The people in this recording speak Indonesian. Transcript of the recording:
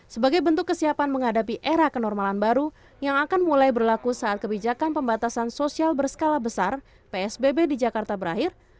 sebagai bentuk kesiapan menghadapi era kenormalan baru yang akan mulai berlaku saat kebijakan pembatasan sosial berskala besar psbb di jakarta berakhir